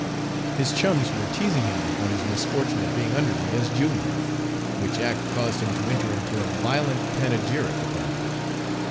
His chums were teasing him on his misfortune of being under me as junior, which act caused him to enter into a violent panegyric upon me.